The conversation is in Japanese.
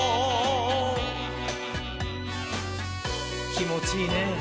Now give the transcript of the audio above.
きもちいいねぇ。